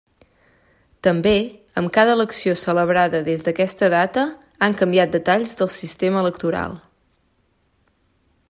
També, amb cada elecció celebrada des d'aquesta data han canviat detalls del sistema electoral.